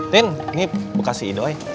tin ini bekas si idoi